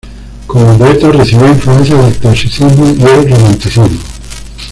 Como poeta recibió influencias del clasicismo y el romanticismo.